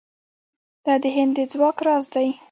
دا د هند د ځواک راز دی.